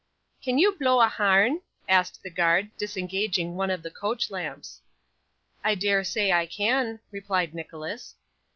'Can you blo' a harn?' asked the guard, disengaging one of the coach lamps. 'I dare say I can,' replied Nicholas.